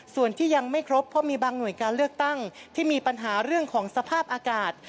ส่วนที่ยังไม่ครบเพราะมีบางหน่วยการเลือกตั้งที่มีปัญหาเรื่องของสภาพอากาศ